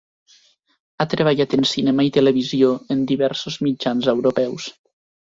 Ha treballat en cinema i televisió en diversos mitjans europeus.